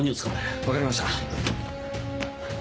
分かりました。